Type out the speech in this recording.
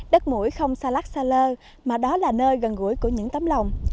đất mũi không xa lát xa lơ mà đó là nơi gần gũi của những tấm lòng